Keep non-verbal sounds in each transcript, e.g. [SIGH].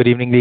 Ladies and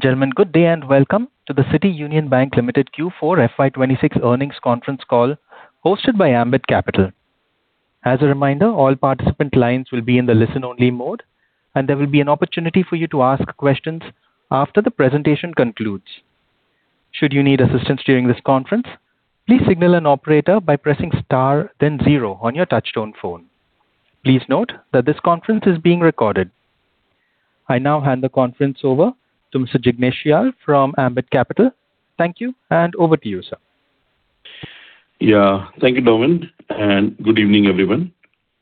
gentlemen, good day and welcome to the City Union Bank Limited Q4 FY 2026 earnings conference call hosted by Ambit Capital. As a reminder, all participant lines will be in the listen-only mode, and there will be an opportunity for you to ask questions after the presentation concludes. Should you need assistance during this conference, please signal an operator by pressing star then zero on your touch-tone phone. Please note that this conference is being recorded. I now hand the conference over to Mr. Jignesh Shial from Ambit Capital. Thank you, and over to you, sir. Yeah. Thank you, [INAUDIBLE] and good evening, everyone.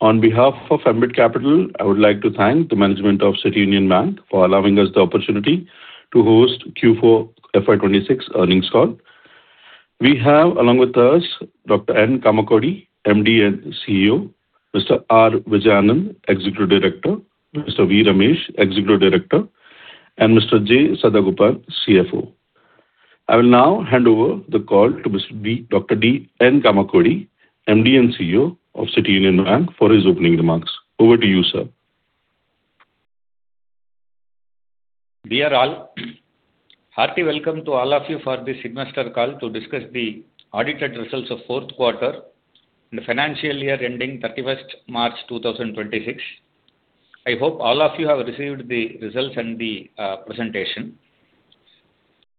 On behalf of Ambit Capital, I would like to thank the management of City Union Bank for allowing us the opportunity to host Q4 FY 2026 earnings call. We have along with us Dr. N. Kamakodi, MD and CEO, Mr. R. Vijay Anandh, Executive Director, Mr. V. Ramesh, Executive Director, and Mr. J. Sadagopan, CFO. I will now hand over the call to Dr. N. Kamakodi, MD and CEO of City Union Bank, for his opening remarks. Over to you, sir. Dear all, hearty welcome to all of you for this investor call to discuss the audited results of fourth quarter in the financial year ending March 31st, 2026. I hope all of you have received the results and the presentation.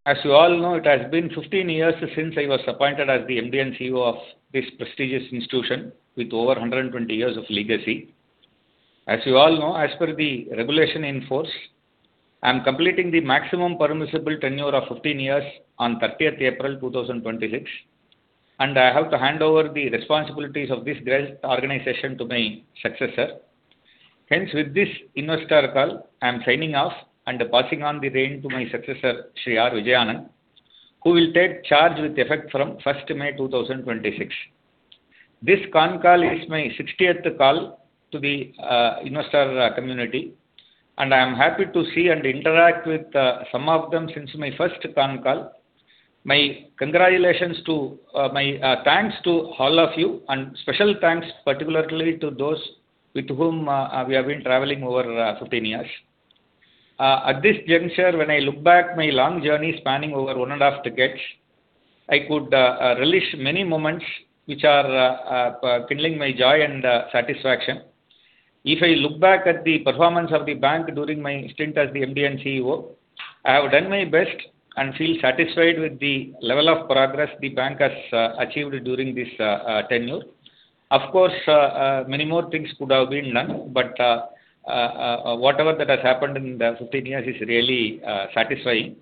As you all know, it has been 15 years since I was appointed as the MD and CEO of this prestigious institution with over 120 years of legacy. As you all know, as per the regulation in force, I'm completing the maximum permissible tenure of 15 years on April 30th, 2026, and I have to hand over the responsibilities of this great organization to my successor. Hence, with this investor call, I'm signing off and passing on the reins to my successor, Shri R. Vijay Anandh, who will take charge with effect from May 1st, 2026. This conference call is my 60th call to the investor community, and I am happy to see and interact with some of them since my first conference call. My thanks to all of you and special thanks particularly to those with whom we have been traveling over 15 years. At this juncture, when I look back on my long journey spanning over one and half decades, I could relish many moments which are kindling my joy and satisfaction. If I look back at the performance of the bank during my stint as the MD and CEO, I have done my best and feel satisfied with the level of progress the bank has achieved during this tenure. Of course, many more things could have been done, but, whatever that has happened in the 15 years is really satisfying.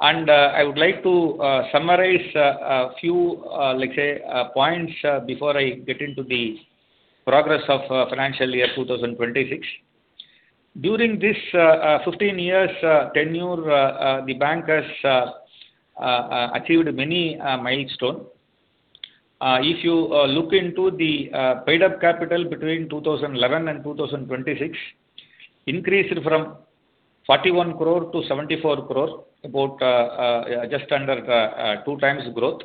I would like to summarize a few, let's say, points, before I get into the progress of financial year 2026. During this 15 years tenure, the bank has achieved many milestone. If you look into the paid-up capital between 2011 and 2026 increased from 41 crore-74 crore, about just under 2x growth,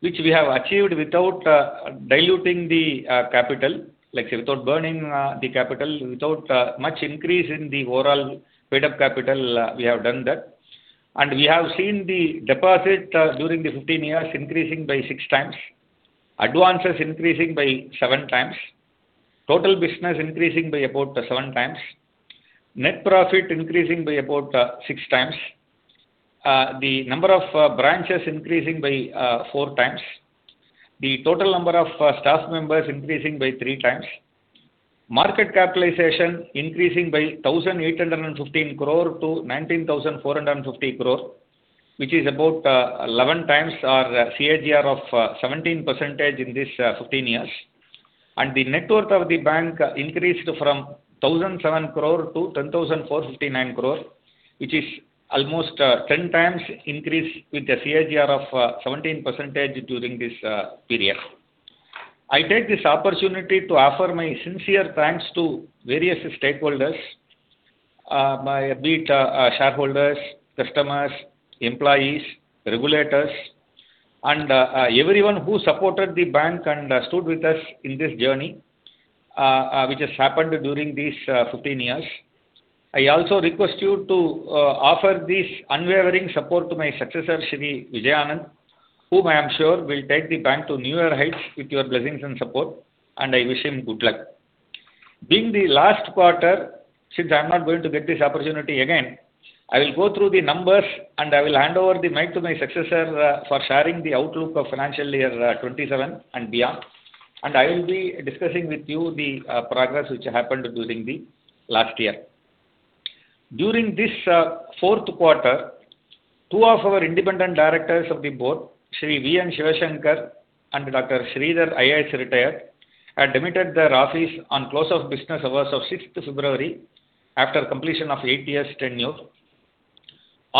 which we have achieved without diluting the capital, let's say, without burning the capital, without much increase in the overall paid-up capital, we have done that. We have seen the deposit during the 15 years increasing by 6x, advances increasing by 7x, total business increasing by about 7x, net profit increasing by about 6x, the number of branches increasing by 4x, the total number of staff members increasing by 3x, market capitalization increasing from 1,815 crore-19,450 crore, which is about 11x our CAGR of 17% in this 15 years. The net worth of the bank increased from 1,007 crore-10,459 crore, which is almost 10x increase with a CAGR of 17% during this period. I take this opportunity to offer my sincere thanks to various stakeholders by- Be it shareholders, customers, employees, regulators, and everyone who supported the bank and stood with us in this journey, which has happened during these 15 years. I also request you to offer this unwavering support to my successor, Shri Vijay Anandh, whom I am sure will take the bank to newer heights with your blessings and support, and I wish him good luck. Being the last quarter, since I'm not going to get this opportunity again, I will go through the numbers, and I will hand over the mic to my successor for sharing the outlook of financial year 2027 and beyond. I will be discussing with you the progress which happened during the last year. During this fourth quarter, two of our Independent Directors of the Board, Shri V.N. Shivashankar and Dr. T. S. Sridhar retired, had demitted their office on close of business hours of February 6th after completion of eight years tenure.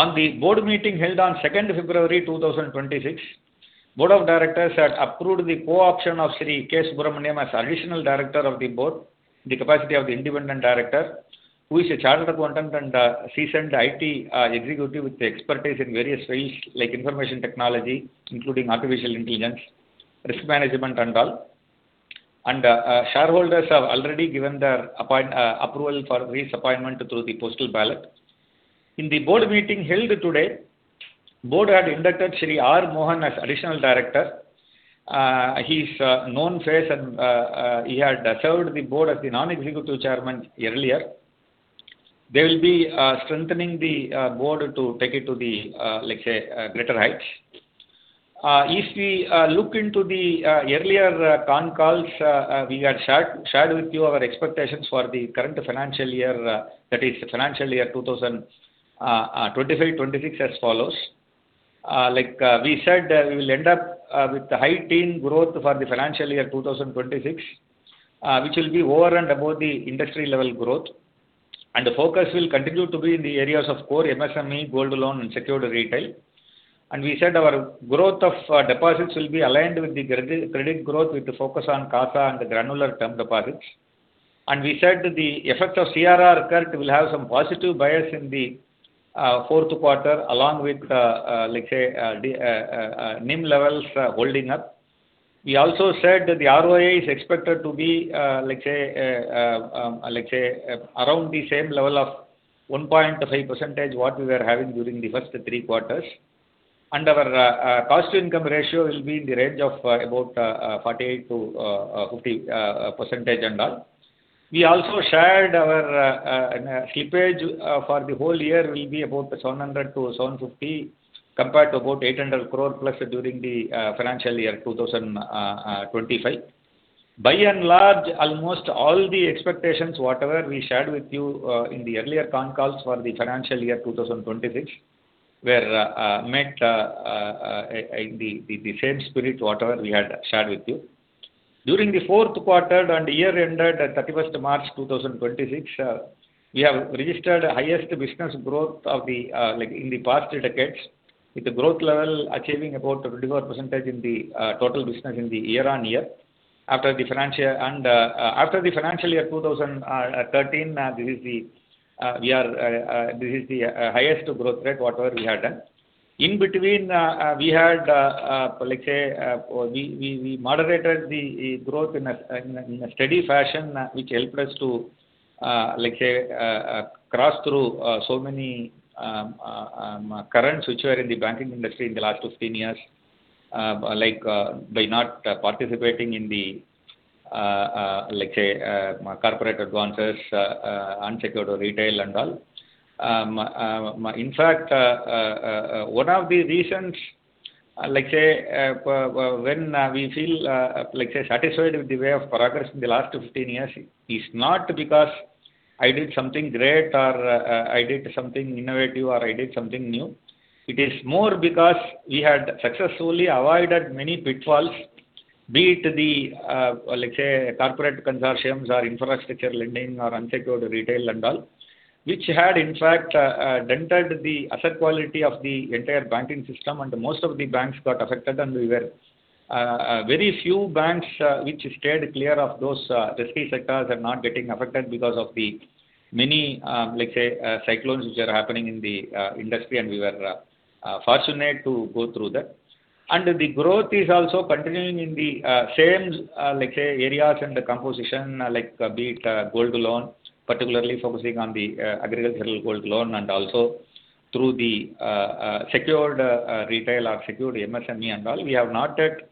On the Board meeting held on February 2nd, 2026, Board of Directors had approved the co-option of Shri K. Subramanian as Additional Director of the Board in the capacity of the Independent Director, who is a chartered accountant and a seasoned IT executive with expertise in various fields like information technology, including artificial intelligence, risk management and all. Shareholders have already given their approval for his appointment through the postal ballot. In the Board meeting held today, Board had inducted Shri R. Mohan as Additional Director. He's a known face and he had served the Board as the Non-Executive Chairman earlier. They will be strengthening the Board to take it to the, let's say, greater heights. If we look into the earlier con calls, we had shared with you our expectations for the current financial year, that is financial year 2025-2026 as follows. Like, we said, we will end up with high-teen growth for the financial year 2026, which will be over and above the industry level growth. The focus will continue to be in the areas of core MSME, gold loan and secured retail. We said our growth of deposits will be aligned with the credit growth with the focus on CASA and granular term deposits. We said the effect of CRR cut will have some positive bias in the fourth quarter along with the NIM levels holding up. We also said that the ROI is expected to be around the same level of 1.5% what we were having during the first three quarters. Our cost-to-income ratio will be in the range of about 48%-50%. We also shared our slippage for the whole year will be about 700 crore-750 crore compared to about 800+ crore during the financial year 2025. By and large, almost all the expectations, whatever we shared with you in the earlier con calls for the financial year 2026 were met in the same spirit whatever we had shared with you. During the fourth quarter and year ended at March 31, 2026, we have registered one of the highest business growth like in the past decades, with the growth level achieving about 24% in the total business year-on-year. After the financial year 2013, this is the highest growth rate whatever we have done. In between, we had, let's say, we moderated the growth in a steady fashion, which helped us to, let's say, cross through so many currents which were in the banking industry in the last 15 years, like, by not participating in the, let's say, corporate advances, unsecured retail and all. In fact, one of the reasons, like say, when we feel, like say, satisfied with the way of progress in the last 15 years is not because I did something great or I did something innovative, or I did something new. It is more because we had successfully avoided many pitfalls, be it the, let's say corporate consortiums or infrastructure lending or unsecured retail and all, which had in fact, dented the asset quality of the entire banking system, and most of the banks got affected and we were very few banks, which stayed clear of those risky sectors and not getting affected because of the many, let's say, cyclones which are happening in the industry, and we were fortunate to go through that. The growth is also continuing in the same, let's say, areas and the composition, like be it, gold loan, particularly focusing on the agricultural gold loan and also through the secured retail or secured MSME and all. We have not yet,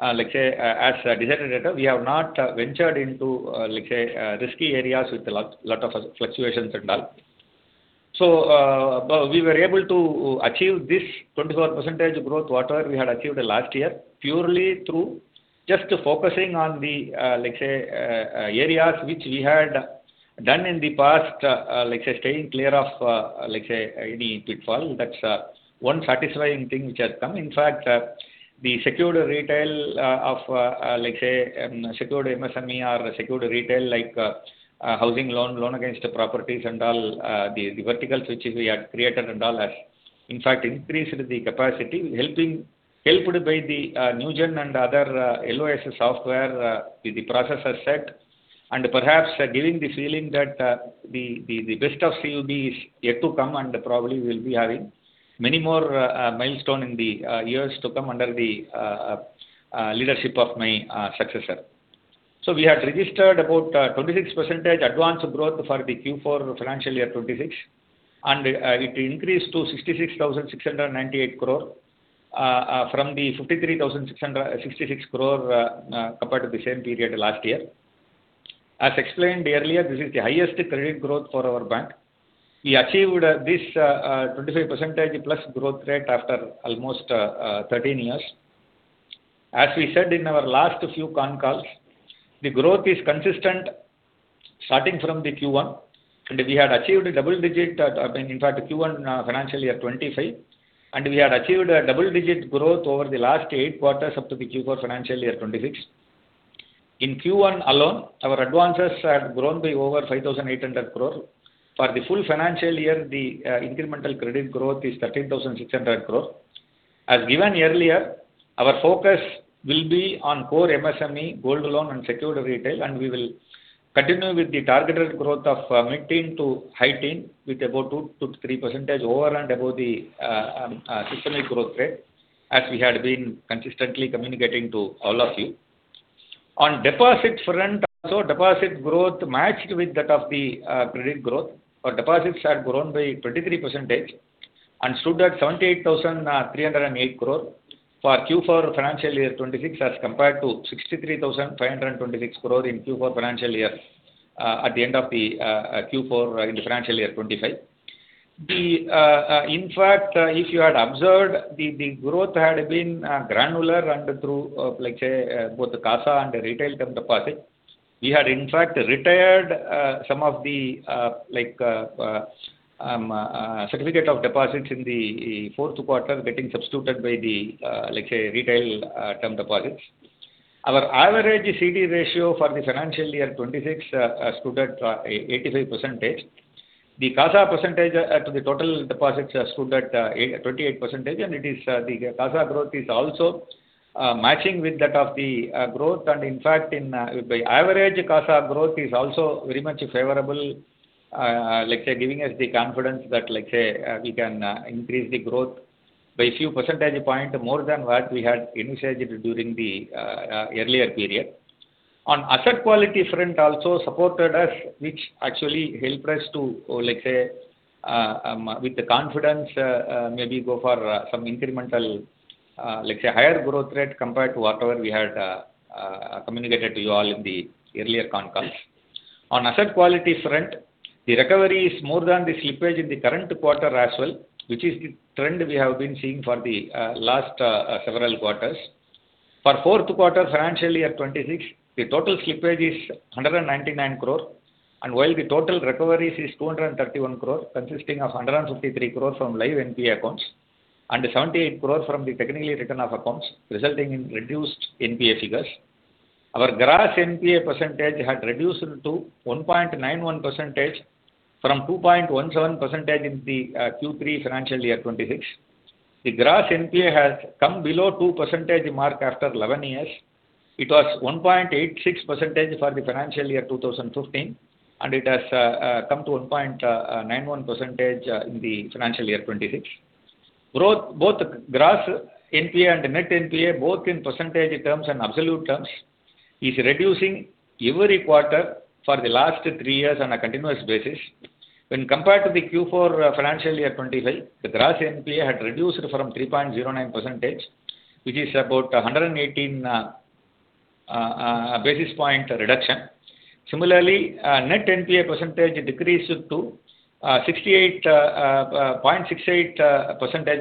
let's say, as a designator, we have not ventured into, let's say, risky areas with a lot of fluctuations and all. We were able to achieve this 24% growth, whatever we had achieved last year, purely through just focusing on the, let's say, areas which we had done in the past, like, say, staying clear of, let's say, any pitfall. That's one satisfying thing which has come. In fact, the secured retail of, like say, secured MSME or secured retail like, housing loan against properties and all, the verticals which we had created and all has, in fact, increased the capacity, helping. Helped by the Newgen and other LOS software with the processor set, and perhaps giving the feeling that the best of CUB is yet to come, and probably we'll be having many more milestone in the years to come under the leadership of my successor. We had registered about 26% advances growth for the Q4 financial year 2026, and it increased to 66,698 crore from the 53,666 crore compared to the same period last year. As explained earlier, this is the highest credit growth for our bank. We achieved this 25%+ growth rate after almost 13 years. As we said in our last few con calls, the growth is consistent starting from the Q1, and we had achieved double-digit, I mean in fact, Q1 FY 2025, and we had achieved a double-digit growth over the last eight quarters up to the Q4 FY 2026. In Q1 alone, our advances had grown by over 5,800 crore. For the full financial year, the incremental credit growth is 13,600 crore. As given earlier, our focus will be on core MSME, gold loan and secured retail, and we will continue with the targeted growth of mid-teens to high-teens with about 2.3% over and above the system growth rate, as we had been consistently communicating to all of you. On deposit front also, deposit growth matched with that of the credit growth. Our deposits had grown by 23% and stood at 78,308 crore for Q4 financial year 2026 as compared to 63,526 crore in Q4 financial year 2025 at the end of the Q4 in the financial year 2025. In fact, if you had observed the growth had been granular and through, let's say, both CASA and retail term deposit. We had in fact retired some of the, like, certificate of deposits in the fourth quarter, getting substituted by the, let's say, retail term deposits. Our average CD ratio for the financial year 2026 stood at 85%. The CASA percentage to the total deposits stood at 8%-- [38%], and it is the CASA growth is also matching with that of the growth. In fact, the average CASA growth is also very much favorable, like say, giving us the confidence that, like say, we can increase the growth by a few percentage point more than what we had envisaged during the earlier period. On asset quality front also supported us, which actually helped us to, like say, with the confidence, maybe go for some incremental, like say, higher growth rate compared to whatever we had communicated to you all in the earlier con calls. On asset quality front, the recovery is more than the slippage in the current quarter as well, which is the trend we have been seeing for the last several quarters. For fourth quarter financial year 2026, the total slippage is 199 crore, and while the total recoveries is 231 crore, consisting of 153 crore from live NPA accounts and 78 crore from the technically written-off accounts, resulting in reduced NPA figures. Our gross NPA percentage had reduced to 1.91% from 2.17% in the Q3 financial year 2026. The gross NPA has come below 2% mark after 11 years. It was 1.86% for the financial year 2015, and it has come to 1.91% in the financial year 2026. Growth, both gross NPA and net NPA, both in percentage terms and absolute terms, is reducing every quarter for the last three years on a continuous basis. When compared to the Q4 FY 2025, the gross NPA had reduced from 3.09%, which is about 118 basis point reduction. Similarly, net NPA percentage decreased to 0.68%,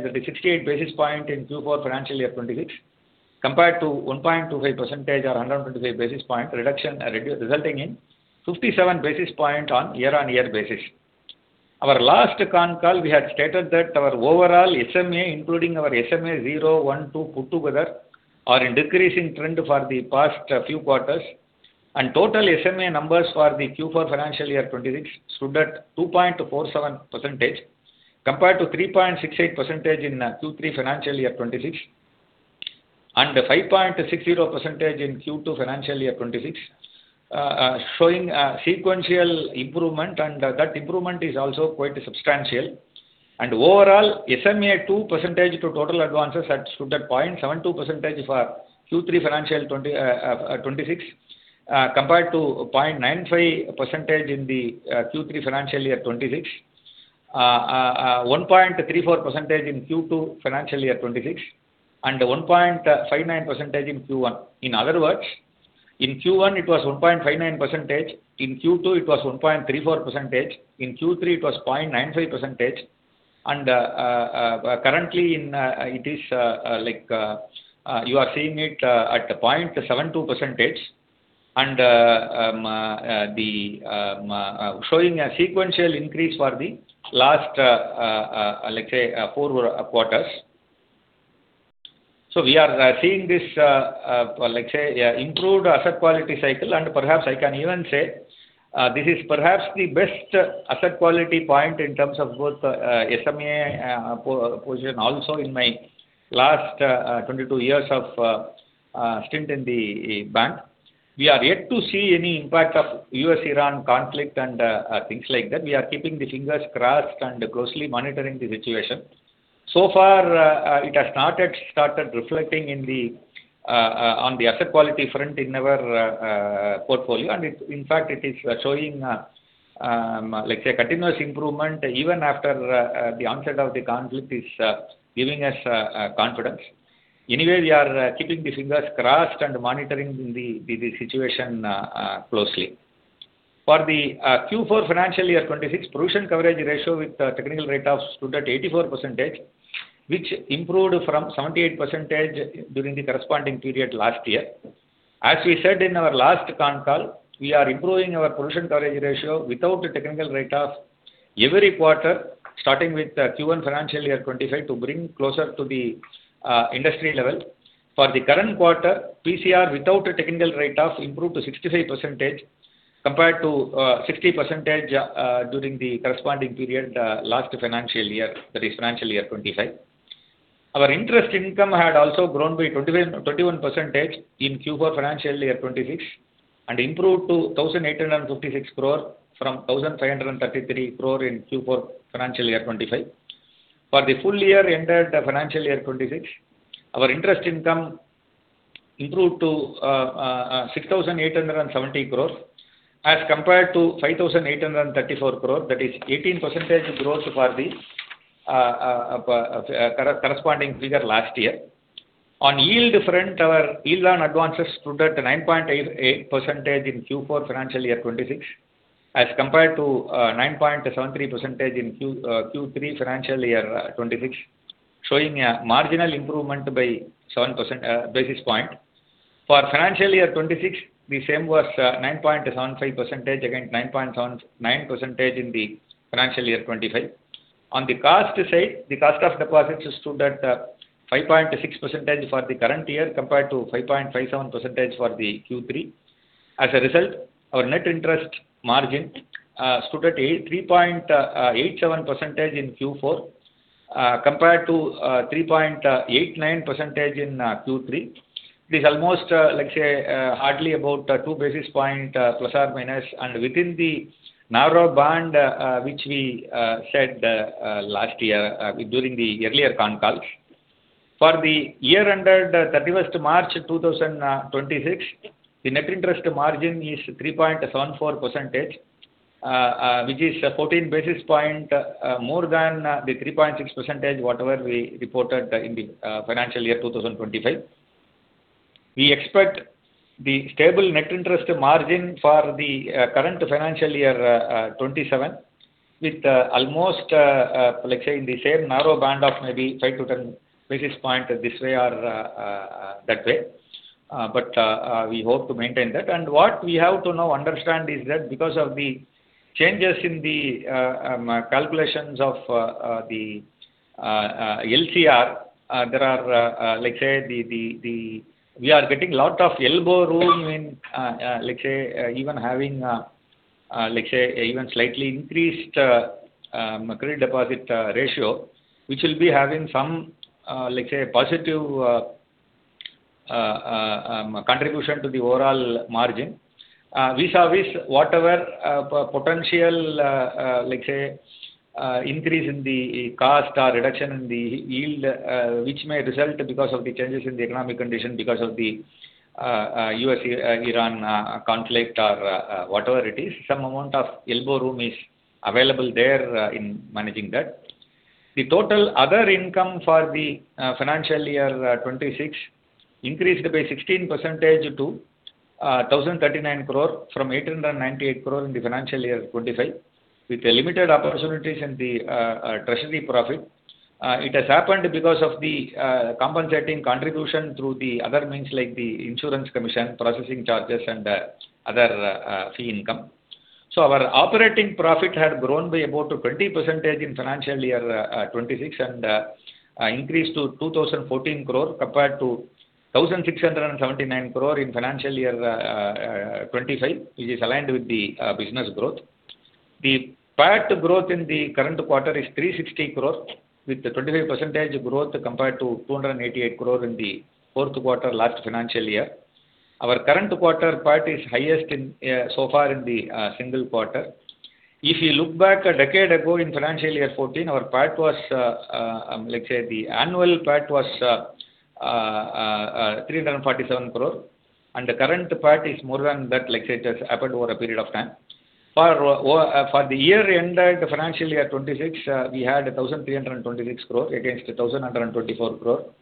that is 68 basis point in Q4 FY 2026, compared to 1.25% or 125 basis point reduction resulting in 57 basis point on year-on-year basis. Our last con call, we had stated that our overall SMA, including our SMA zero, one, two put together, are in decreasing trend for the past few quarters. Total SMA numbers for the Q4 FY 2026 stood at 2.47%, compared to 3.68% in Q3 FY 2026, and 5.60% in Q2 FY 2026, showing sequential improvement, and that improvement is also quite substantial. Overall, SMA-2 percentage to total advances stood at 0.72% for Q4 FY 2026, compared to 0.95% in Q3 FY 2026, 1.34% in Q2 FY 2026, and 1.59% in Q1. In other words, in Q1 it was 1.59%, in Q2 it was 1.34%, in Q3 it was 0.95%, and currently it is like you are seeing it at 0.72%, and it's showing a sequential increase for the last, let's say, four quarters. We are seeing this, let's say, improved asset quality cycle and perhaps I can even say this is perhaps the best asset quality point in terms of both SMA position also in my last 22 years of stint in the bank. We are yet to see any impact of U.S.-Iran conflict and things like that. We are keeping the fingers crossed and closely monitoring the situation. So far, it has not yet started reflecting in the on the asset quality front in our portfolio, and in fact it is showing like, say, continuous improvement even after the onset of the conflict is giving us confidence. Anyway, we are keeping the fingers crossed and monitoring the situation closely. For the Q4 financial year 2026, provision coverage ratio with technical write-off stood at 84%, which improved from 78% during the corresponding period last year. As we said in our last conference call, we are improving our provision coverage ratio without the technical write-off every quarter, starting with Q1 financial year 2025 to bring closer to the industry level. For the current quarter, PCR without technical write-off improved to 65% compared to 60% during the corresponding period last financial year, that is FY 2025. Our interest income had also grown by 21% in Q4 FY 2026 and improved to 1,856 crore from 1,533 crore in Q4 FY 2025. For the full year ended FY 2026, our interest income improved to 6,870 crore as compared to 5,834 crore, that is 18% growth for the corresponding figure last year. On yield front, our yield on advances stood at 9.88% in Q4 financial year 2026, as compared to 9.73% in Q3 financial year 2026, showing a marginal improvement by 7 basis points. For financial year 2026, the same was 9.75%, again 9.79% in the financial year 2025. On the cost side, the cost of deposits stood at 5.6% for the current year compared to 5.57% for the Q3. As a result, our net interest margin stood at 3.87% in Q4. Compared to 3.89% in Q3, it is almost, like, say, hardly about 2 basis points ± and within the narrow band which we said last year during the earlier conference calls. For the year ended March 31st, 2026, the net interest margin is 3.74%, which is 14 basis points more than the 3.6% whatever we reported in the financial year 2025. We expect the stable net interest margin for the current financial year 2027, with almost like, say, in the same narrow band of maybe 5 basis points-10 basis points this way or that way. We hope to maintain that. What we have to now understand is that because of the changes in the calculations of the LCR, there are like, say, We are getting a lot of elbow room in like, say, even having like, say, even slightly increased credit-deposit ratio, which will be having some like, say, positive contribution to the overall margin. Vis-à-vis whatever potential like say increase in the cost or reduction in the yield which may result because of the changes in the economic condition because of the U.S.-Iran conflict or whatever it is. Some amount of elbow room is available there in managing that. The total other income for the financial year 2026 increased by 16% to 1,039 crore from 898 crore in the financial year 2025, with limited opportunities in the treasury profit. It has happened because of the compensating contribution through the other means like the insurance commission, processing charges, and other fee income. Our operating profit had grown by about 20% in financial year 2026 and increased to 2,014 crore compared to 1,679 crore in financial year 2025, which is aligned with the business growth. The PAT growth in the current quarter is 360 crore, with a 25% growth compared to 288 crore in the fourth quarter last financial year. Our current quarter PAT is the highest so far in a single quarter. If you look back a decade ago in financial year 2014, our PAT was, like, say, the annual PAT was 347 crore, and the current PAT is more than that. Like, say, it has happened over a period of time. For the year ended FY 2026, we had 1,326 crore against 1,124 crore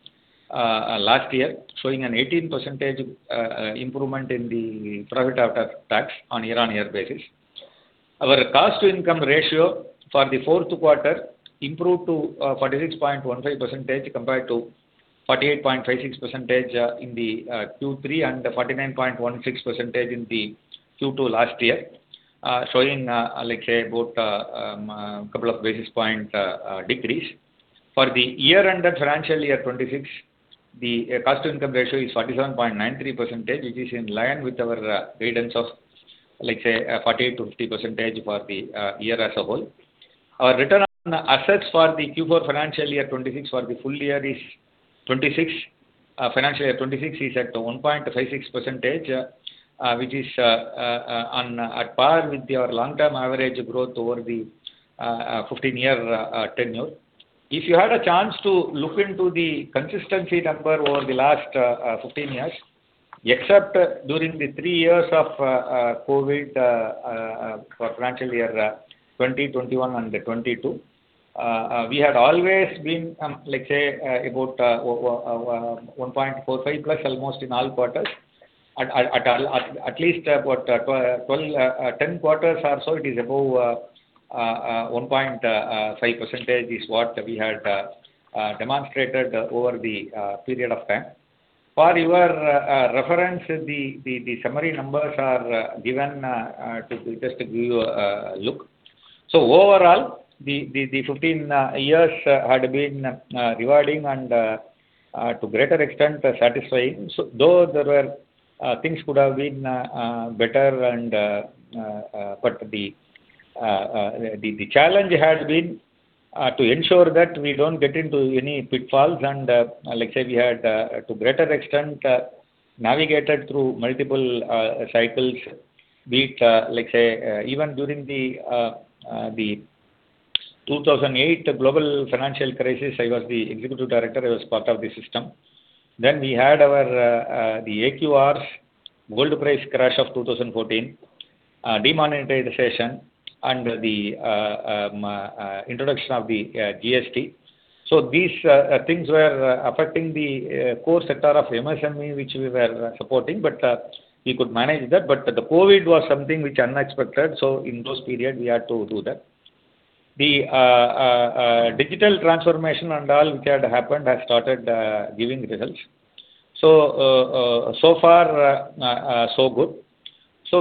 last year, showing an 18% improvement in the profit after tax on year-on-year basis. Our cost to income ratio for the fourth quarter improved to 46.15% compared to 48.56% in the Q3, and 49.16% in the Q2 last year, showing like say about couple of basis point decrease. For the year ended FY 2026, the cost to income ratio is 47.93%, which is in line with our guidance of like say 48%-50% for the year as a whole. Our return on assets for the Q4 FY 2026 for the full year is 2.6%. Financial year 2026 is at 1.56%, which is on par with your long-term average growth over the 15-year tenure. If you had a chance to look into the consistency number over the last 15 years, except during the three years of COVID, for financial year 2021 and 2022, we had always been, let's say, about 1.45%+ almost in all quarters. At least about 10-12 quarters or so, it is above 1.5%, what we had demonstrated over the period of time. For your reference, the summary numbers are given to just give you a look. Overall, the 15 years had been rewarding and to a greater extent, satisfying. Though there were things could have been better and but the challenge has been to ensure that we don't get into any pitfalls and like say, we had to a greater extent navigated through multiple cycles. Be it like say, even during the 2008 global financial crisis, I was the Executive Director. I was part of the system. Then we had our the AQR gold price crash of 2014, demonetization, and the introduction of the GST. These things were affecting the core sector of MSME, which we were supporting, but we could manage that. The COVID was something which was unexpected, so in those periods, we had to do that. The digital transformation and all which had happened has started giving results. So far, so good.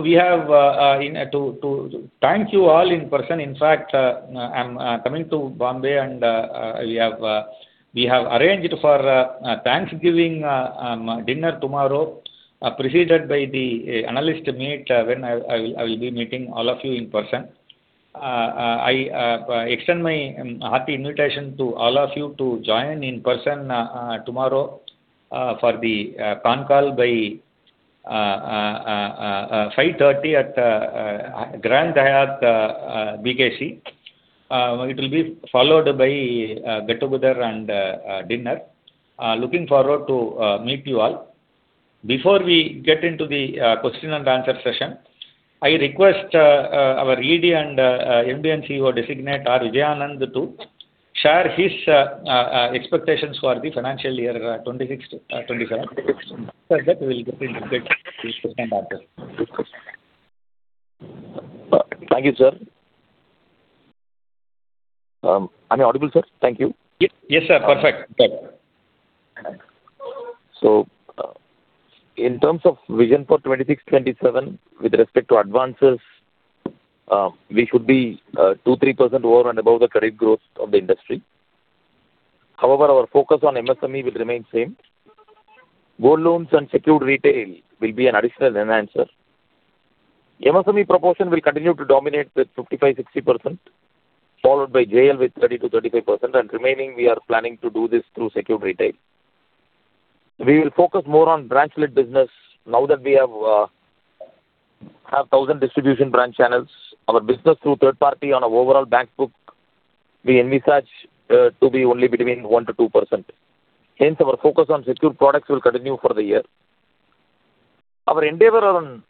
We have to thank you all in person. In fact, I'm coming to Bombay and we have arranged for a thanksgiving dinner tomorrow, preceded by the analyst meet, when I will be meeting all of you in person. I extend my hearty invitation to all of you to join in person tomorrow for the concall by 5:30 P.M. at Grand Hyatt, BKC. It will be followed by get-together and dinner. Looking forward to meet you all. Before we get into the question and answer session, I request our ED and MD and CEO designate, R. Vijay Anandh to share his expectations for the financial year 2026 to 2027. After that, we will get into the question and answer. Thank you, sir. Am I audible, sir? Thank you. Yes, yes, sir. Perfect, sir. In terms of vision for 2026-2027, with respect to advances, we should be 2%-3% over and above the credit growth of the industry. However, our focus on MSME will remain same. Gold loans and secured retail will be an additional enhancer. MSME proportion will continue to dominate with 55%-60%, followed by GL with 30%-35%, and remaining we are planning to do this through secured retail. We will focus more on branch-led business now that we have 1,000 distribution branch channels. Our business through third party on our overall bank book, we envisage to be only between 1%-2%. Hence, our focus on secured products will continue for the year. Our endeavor on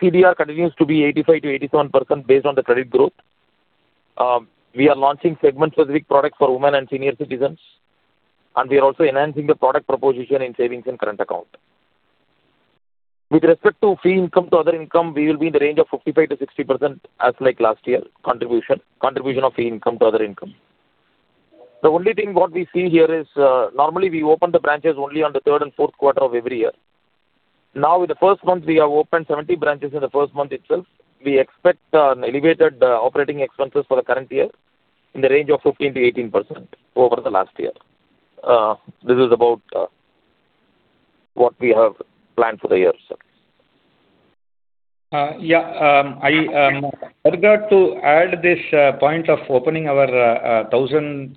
CDR continues to be 85%-87% based on the credit growth. We are launching segment specific products for women and senior citizens, and we are also enhancing the product proposition in savings and current account. With respect to fee income to other income, we will be in the range of 55%-60% as like last year contribution of fee income to other income. The only thing what we see here is, normally we open the branches only on the third and fourth quarter of every year. Now, with the first month, we have opened 70 branches in the first month itself. We expect elevated operating expenses for the current year in the range of 15%-18% over the last year. This is about what we have planned for the year, sir. Yeah. I forgot to add this point of opening our 1000th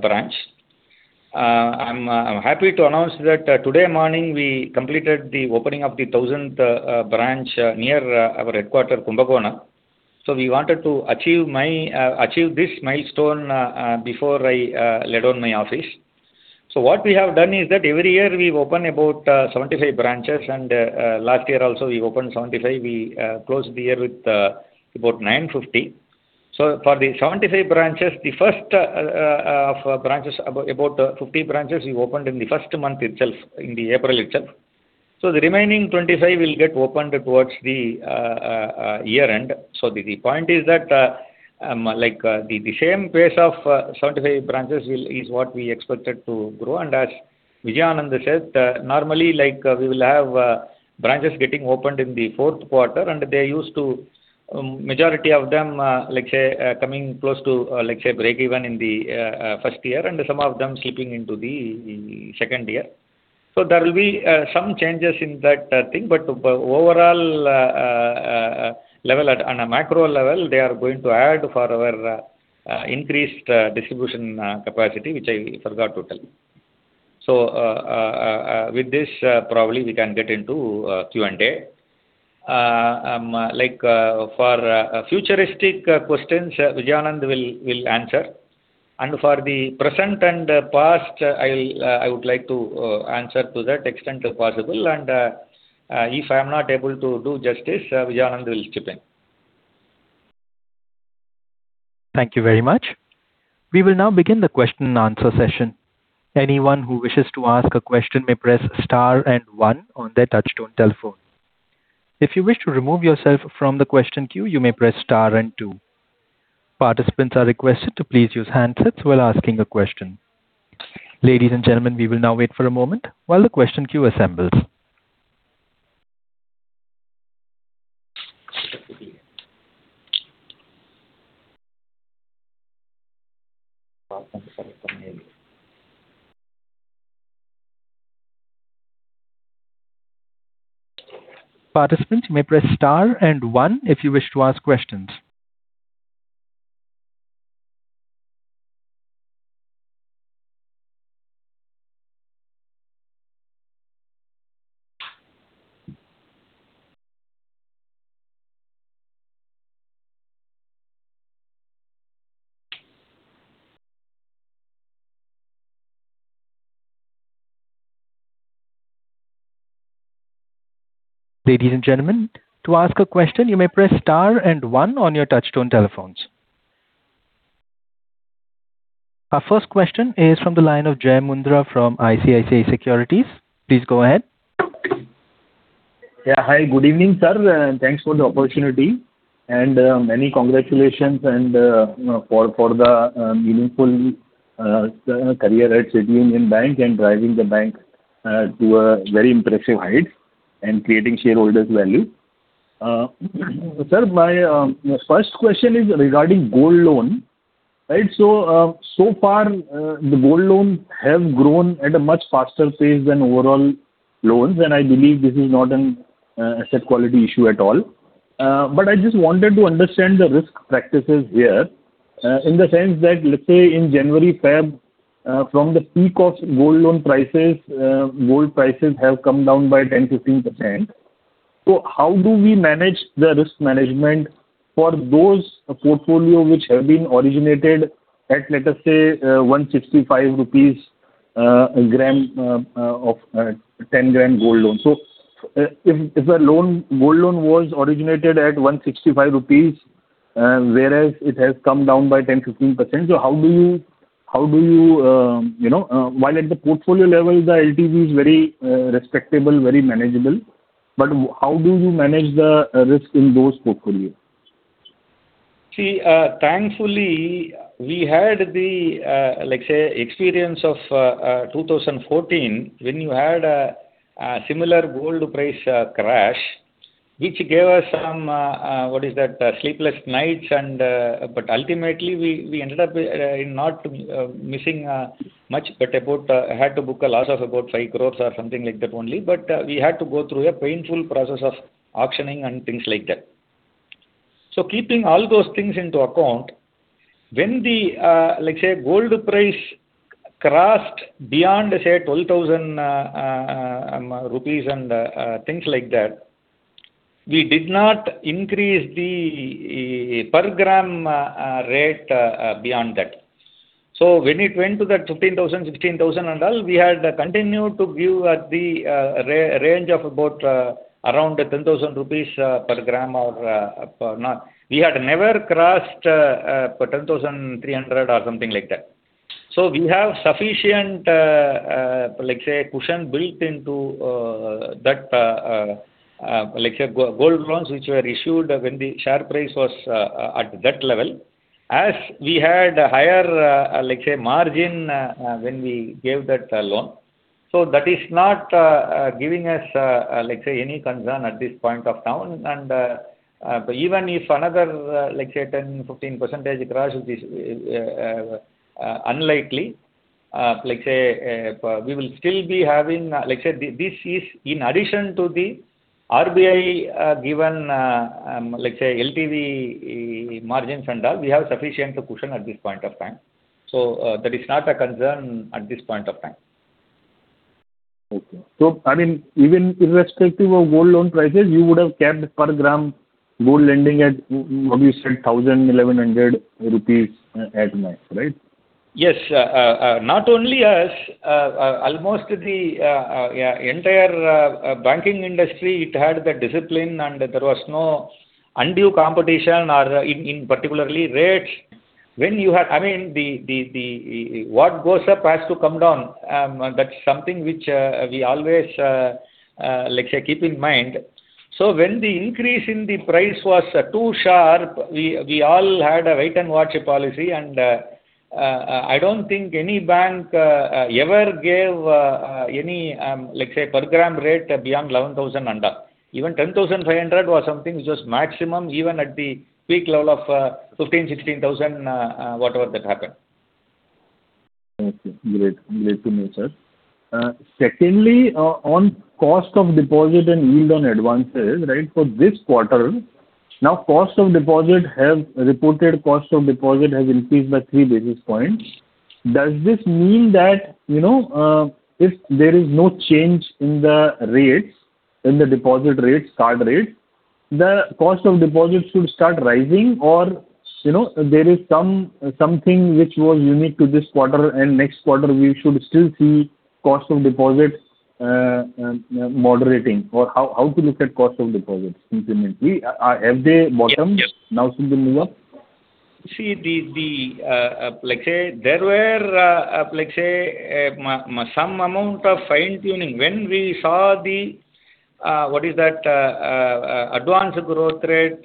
branch. I'm happy to announce that today morning we completed the opening of the 1000th branch near our headquarters Kumbakonam. We wanted to achieve this milestone before I hand over my office. What we have done is that every year we open about 75 branches, and last year also we opened 75. We closed the year with about 950. For the 75 branches, about 50 branches we opened in the first month itself, in April itself. The remaining 25 will get opened towards the year end. The point is that like the same pace of 75 branches is what we expected to grow. As Vijay Anandh said, normally like we will have branches getting opened in the first quarter, and majority of them like coming close to breakeven in the first year and some of them slipping into the second year. There will be some changes in that thing. But overall on a macro level they are going to add for our increased distribution capacity, which I forgot to tell you. With this probably we can get into Q&A. Like for futuristic questions Vijay Anandh will answer. For the present and past, I would like to answer to that extent possible. If I'm not able to do justice, Vijay Anandh will chip in. Thank you very much. We will now begin the question-and-answer session. Anyone who wishes to ask a question may press star and one on their touchtone telephone. If you wish to remove yourself from the question queue, you may press star and two. Participants are requested to please use handsets while asking a question. Ladies and gentlemen, we will now wait for a moment while the question queue assembles. Participant, you may press star and one if you wish to ask questions. Ladies and gentlemen, to ask a question, you may press star and one on your touchtone telephones. Our first question is from the line of Jai Mundhra from ICICI Securities. Please go ahead. Yeah. Hi, good evening, sir, and thanks for the opportunity and many congratulations and for the meaningful career at City Union Bank and driving the bank to a very impressive height and creating shareholders value. Sir, my first question is regarding gold loan, right? So far, the gold loan have grown at a much faster pace than overall loans, and I believe this is not an asset quality issue at all. I just wanted to understand the risk practices here, in the sense that, let's say in January, February, from the peak of gold loan prices, gold prices have come down by 10%-15%. How do we manage the risk management for those portfolio which have been originated at, let us say, 165 rupees/g of 10 g gold loan? If a gold loan was originated at 165 rupees, whereas it has come down by 10%-15%, how do you manage the risk in those portfolio while at the portfolio level, the LTV is very respectable, very manageable? See, thankfully we had the, let's say, experience of 2014 when you had a similar gold price crash, which gave us some sleepless nights. But ultimately we ended up in not missing much, but about had to book a loss of about 5 crore or something like that only, but we had to go through a painful process of auctioning and things like that. Keeping all those things into account, when the, let's say gold price crossed beyond, say 12,000 rupees and things like that, we did not increase the per gram rate beyond that. When it went to that 15,000, 16,000 and all, we had continued to give at the range of about around 10,000 rupees/g. We had never crossed 10,300 or something like that. We have sufficient, let's say, cushion built into that, let's say gold loans which were issued when the share price was at that level. As we had higher, let's say margin, when we gave that loan. That is not giving us, let's say any concern at this point of time. Even if another 10%-15% crash, which is unlikely, let's say we will still be having, let's say, this is in addition to the RBI given let's say LTV margins and all. We have sufficient cushion at this point of time. That is not a concern at this point of time. I mean even irrespective of gold loan prices, you would have kept per gram gold lending at what you said 1,000, 1,100 rupees at max, right? Yes. Not only us, almost the entire banking industry, it had the discipline and there was no undue competition or particularly rates. When you have, I mean, what goes up has to come down. That's something which we always let's say keep in mind. When the increase in the price was too sharp, we all had a wait-and-watch policy. I don't think any bank ever gave any let's say per gram rate beyond 11,000 and all. Even 10,500 was something just maximum, even at the peak level of 15,000, 16,000 whatever that happened. Okay. Great. Great to know, sir. Secondly, on cost of deposit and yield on advances, right? For this quarter, reported cost of deposit has increased by three basis points. Does this mean that, you know, if there is no change in the rates, in the deposit rates, card rates, the cost of deposits should start rising? You know, there is something which was unique to this quarter and next quarter we should still see cost of deposits moderating? How to look at cost of deposits movement? Have they bottomed? Yes. Now should they move up? Let's say there were some amount of fine-tuning. When we saw the advances growth rate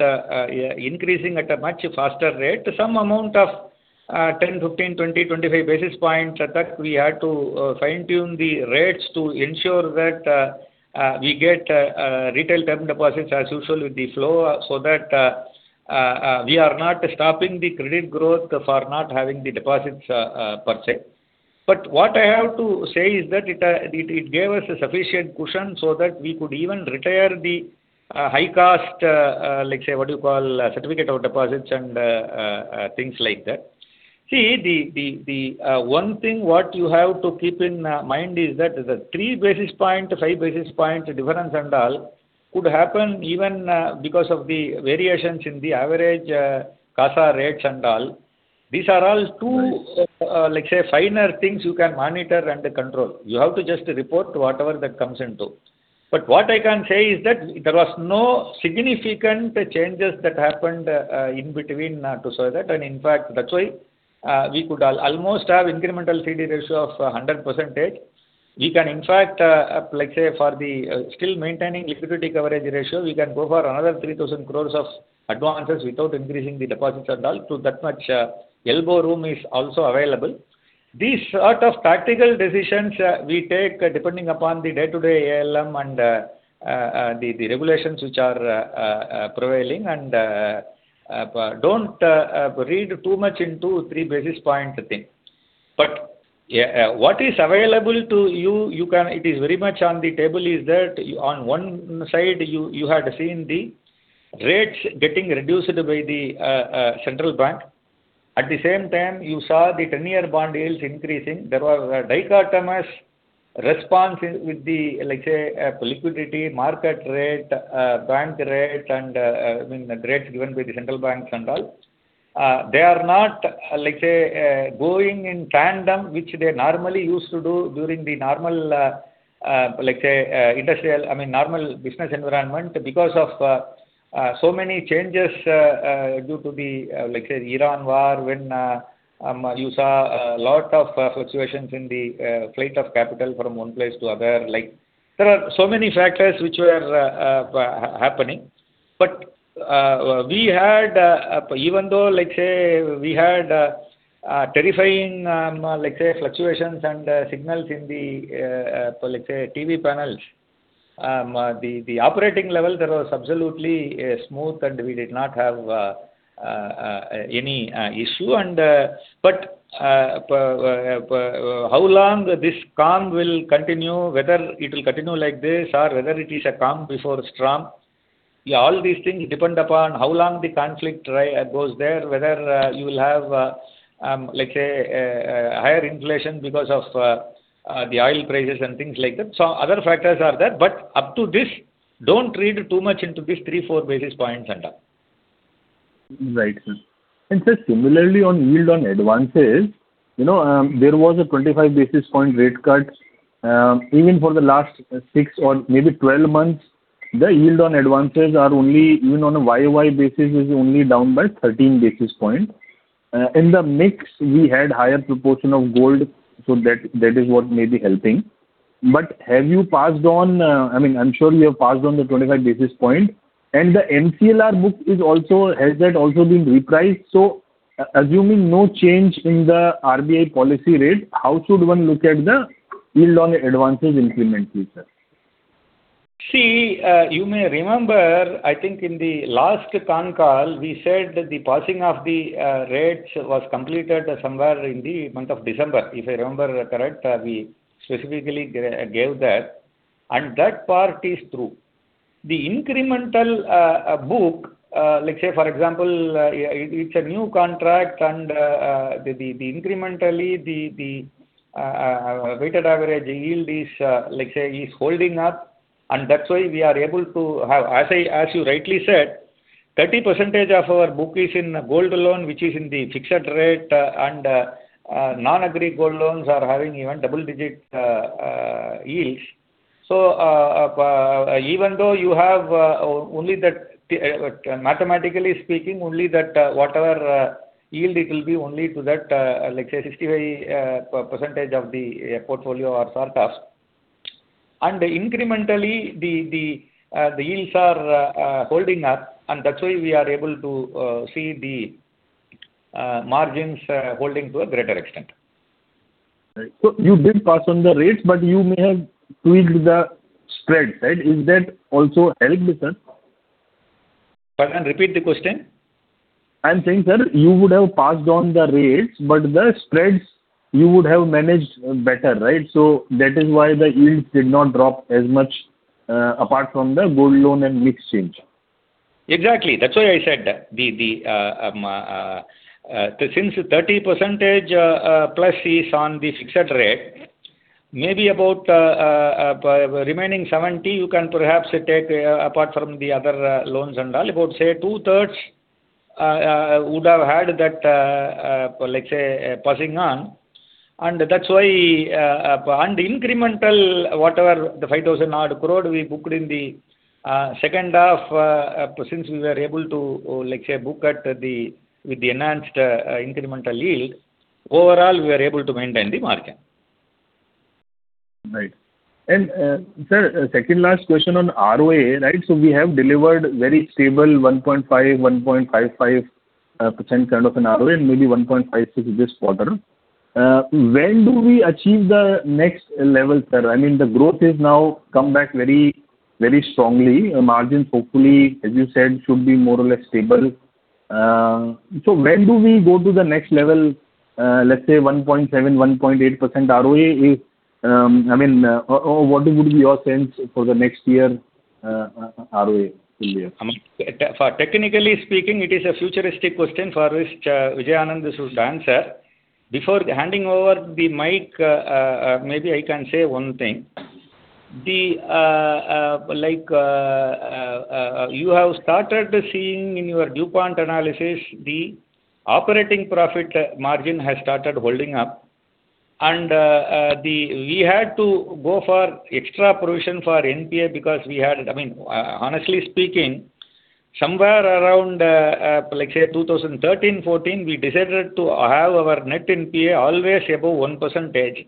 increasing at a much faster rate, some amount of 10 basis points-20 basis points-25 basis points at that we had to fine-tune the rates to ensure that we get retail term deposits as usual with the inflow so that we are not stopping the credit growth for not having the deposits per se. What I have to say is that it gave us a sufficient cushion so that we could even retire the high cost, like, say what you call certificates of deposit and things like that. See the one thing what you have to keep in mind is that the 3 basis point, 5 basis point difference and all could happen even because of the variations in the average CASA rates and all. These are all too let's say finer things you can monitor and control. You have to just report whatever that comes into. What I can say is that there was no significant changes that happened in between to say that. In fact, that's why we could almost have incremental CD ratio of 100%. We can in fact let's say for the still maintaining liquidity coverage ratio, we can go for another 3,000 crore of advances without increasing the deposits at all. That much elbow room is also available. These sort of tactical decisions we take depending upon the day-to-day ALM and the regulations which are prevailing. Don't read too much into three basis point thing. What is available to you. It is very much on the table, that on one side you had seen the rates getting reduced by the central bank. At the same time, you saw the ten-year bond yields increasing. There was a dichotomous response with the, let's say, liquidity, market rate, bank rate and I mean, the rates given by the central banks and all. They are not, let's say, going in tandem, which they normally used to do during the normal, let's say, industrial, I mean, normal business environment because of so many changes due to the, let's say, U.S.-Iran conflict when you saw a lot of fluctuations in the flight of capital from one place to other. Like, there are so many factors which were happening. But even though, let's say, we had terrifying, let's say, fluctuations and signals in the, let's say, TV panels. The operating level, that was absolutely smooth, and we did not have any issue. How long this calm will continue, whether it will continue like this, or whether it is a calm before storm? Yeah, all these things depend upon how long the conflict goes there, whether you will have, let's say, higher inflation because of the oil prices and things like that. Other factors are there, but up to this, don't read too much into these 3 basis points-4 basis points and all. Right. Similarly on yield on advances, you know, there was a 25 basis points rate cut. Even for the last six or maybe 12 months, the yield on advances are only even on a YY basis is only down by 13 basis points. In the mix we had higher proportion of gold, so that is what may be helping. Have you passed on, I mean, I'm sure you have passed on the 25 basis points, and the MCLR book is also. Has that also been repriced? Assuming no change in the RBI policy rate, how should one look at the yield on advances in the future? You may remember, I think in the last con call, we said that the passing of the rates was completed somewhere in the month of December. If I remember correct, we specifically gave that, and that part is true. The incremental book, let's say for example, it's a new contract and the incrementally weighted average yield is, let's say, holding up. That's why we are able to have, as you rightly said, 30% of our book is in gold loan, which is in the fixed rate and non-agri gold loans are having even double-digit yields. Even though you have only that, mathematically speaking, only that whatever yield it will be only to that, let's say 65% of the portfolio or sort of. Incrementally the yields are holding up, and that's why we are able to see the margins holding to a greater extent. Right. You did pass on the rates, but you may have tweaked the spread, right? Is that also held, sir? Pardon. Repeat the question. I'm saying, sir, you would have passed on the rates, but the spreads you would have managed better, right? That is why the yields did not drop as much, apart from the gold loan and mix change. Exactly. That's why I said since 30%+ is on the fixed rate, maybe about remaining 70% you can perhaps take apart from the other loans and all, about say 2/3 would have had that let's say passing on. That's why and incremental whatever the 5,000 odd crore we booked in the second half, since we were able to let's say book at the with the enhanced incremental yield, overall, we are able to maintain the margin. Right. Sir, second last question on ROA, right? We have delivered very stable 1.5%, 1.55% kind of an ROA, and maybe 1.56% this quarter. When do we achieve the next level, sir? I mean, the growth is now come back very, very strongly. Margins, hopefully, as you said, should be more or less stable. When do we go to the next level? Let's say 1.7%, 1.8% ROA if, I mean, or what would be your sense for the next year, ROA will be? For technically speaking, it is a futuristic question for which Vijay Anandh should answer. Before handing over the mic, maybe I can say one thing. You have started seeing in your DuPont analysis, the operating profit margin has started holding up. We had to go for extra provision for NPA because we had. I mean, honestly speaking, somewhere around, let's say 2013, 2014, we decided to have our net NPA always above 1%.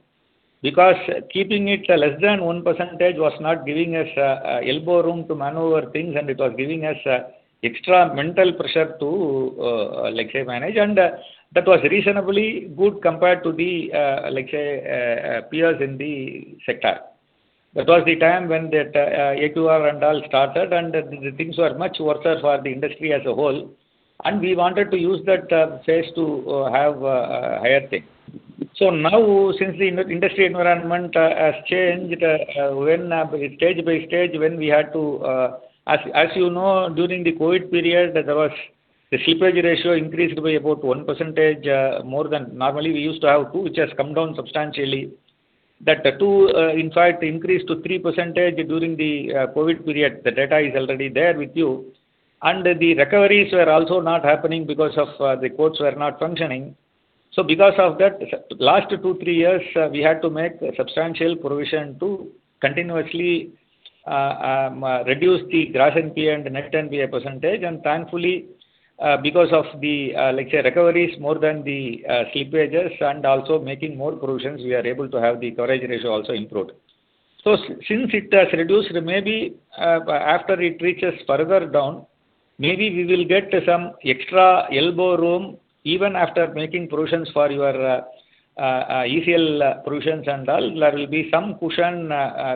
Because keeping it less than 1% was not giving us elbow room to maneuver things, and it was giving us extra mental pressure to, like, say, manage. That was reasonably good compared to the, like, say, peers in the sector. That was the time when AQR and all started, and the things were much worse for the industry as a whole, and we wanted to use that phase to have a higher thing. Now, since the industry environment has changed, when stage by stage we had to. As you know, during the COVID period, the slippage ratio increased by about 1% more than normally we used to have 2%, which has come down substantially. That too, in fact, increased to 3% during the COVID period. The data is already there with you. The recoveries were also not happening because the courts were not functioning. Because of that, last two, three years, we had to make substantial provision to continuously reduce the gross NPL and net NPL percentage. Thankfully, because of the, like, say, recoveries more than the slippages and also making more provisions, we are able to have the coverage ratio also improved. Since it has reduced, maybe, after it reaches further down, maybe we will get some extra elbow room. Even after making provisions for your ECL provisions and all, there will be some cushion,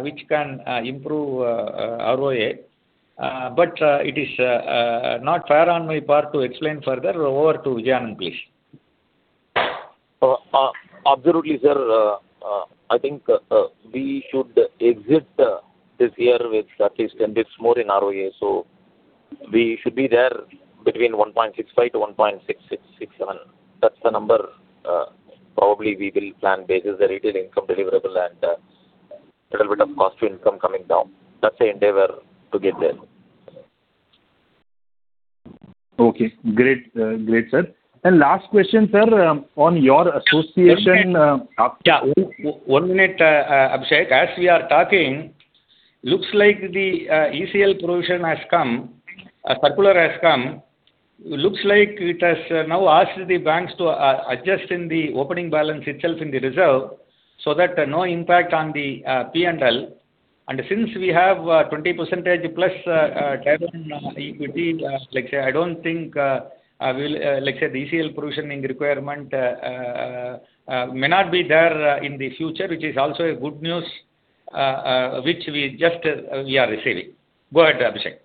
which can improve ROA. But it is not fair on my part to explain further. Over to Vijay Anandh, please. Absolutely, sir. I think, we should exit this year with at least 10 basis more in ROA, so we should be there between 1.65%-1.6667%. That's the number, probably we will plan basis the retail income deliverable and a little bit of cost to income coming down. That's the endeavor to get there. Okay, great. Great, sir. Last question, sir, on your association. One minute, Abhishek. As we are talking, looks like the ECL provision has come, a circular has come. Looks like it has now asked the banks to adjust in the opening balance itself in the reserve so that no impact on the PNL. Since we have 20%+ tied-down equity, like, say, I don't think we'll, like, say, the ECL provisioning requirement may not be there in the future, which is also good news, which we just are receiving. Go ahead, Abhishek.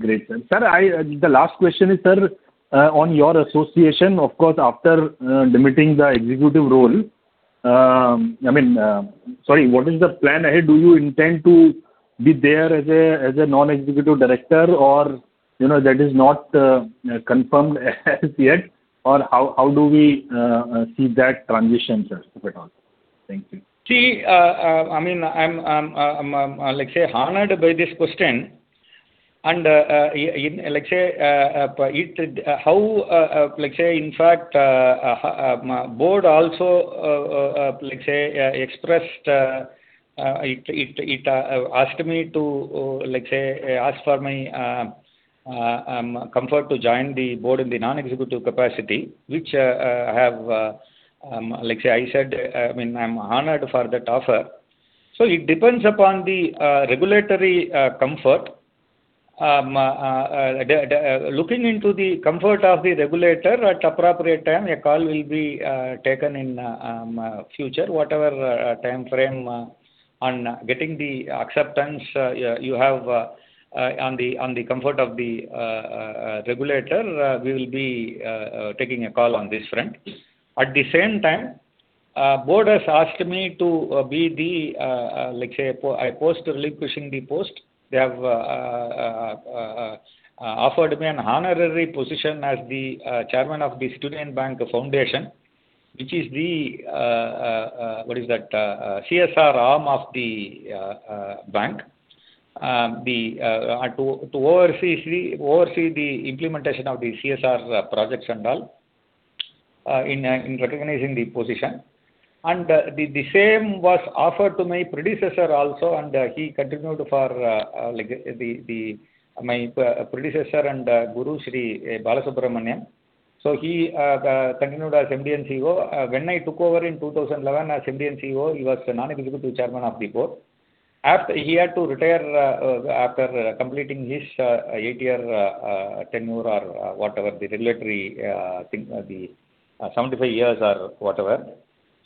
Great, sir. Sir, the last question is, sir, on your association, of course, after demitting the executive role, I mean, sorry, what is the plan ahead? Do you intend to be there as a non-executive director or, you know, that is not confirmed as yet? Or how do we see that transition, sir, if at all? Thank you. See, I mean, I'm like say honored by this question. Like say, it how like say in fact Board also like say expressed it asked me to like say ask for my comfort to join the Board in the non-executive capacity, which I have like say I said, I mean, I'm honored for that offer. It depends upon the regulatory comfort. Looking into the comfort of the regulator at appropriate time, a call will be taken in future. Whatever timeframe on getting the acceptance you have on the comfort of the regulator, we will be taking a call on this front. At the same time, Board has asked me to be, like, say, post relinquishing the post, they have offered me an honorary position as the Chairman of the City Union Bank Foundation, which is the CSR arm of the bank. To oversee the implementation of the CSR projects and all in recognizing the position. The same was offered to my predecessor also, and he continued. My predecessor and guru, Sri Balasubramanian. He continued as MD and CEO. When I took over in 2011 as MD and CEO, he was the Non-Executive Chairman of the Board. After he had to retire after completing his eight-year tenure or whatever the regulatory thing, the 75 years or whatever.